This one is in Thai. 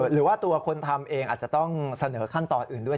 หรือว่าตัวคนทำเองอาจจะต้องเสนอขั้นตอนอื่นด้วย